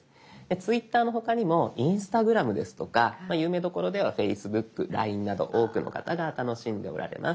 「Ｔｗｉｔｔｅｒ」の他にも「Ｉｎｓｔａｇｒａｍ」ですとか有名どころでは「Ｆａｃｅｂｏｏｋ」「ＬＩＮＥ」など多くの方が楽しんでおられます。